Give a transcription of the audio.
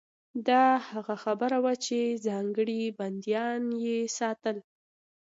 دا هغه برخه وه چې ځانګړي بندیان یې ساتل.